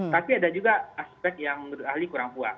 tapi ada juga aspek yang menurut ahli kurang puas